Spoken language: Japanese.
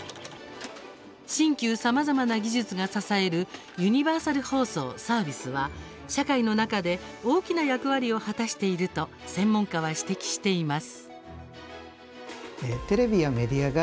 新旧さまざまな技術が支えるユニバーサル放送・サービスは社会の中で大きな役割を果たしていると専門家は指摘しています。